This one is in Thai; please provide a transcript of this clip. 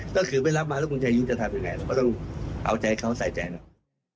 ก็คือไม่รับมาแล้วคุณชายุทธ์จะทำยังไงเราก็ต้องเอาใจเขาใส่ใจเรา